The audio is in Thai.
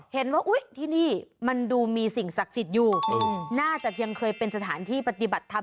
อุ๊ยที่นี่มันดูมีสิ่งศักดิ์สิทธิ์อยู่น่าจะยังเคยเป็นสถานที่ปฏิบัติธรรม